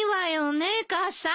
ねえ母さん。